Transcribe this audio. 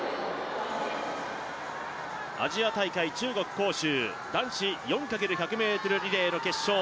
アジア大会、中国・杭州男子４×１００ｍリレーの決勝。